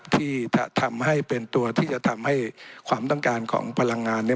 ที่จะทำให้เป็นตัวที่จะทำให้ความต้องการของพลังงานเนี่ย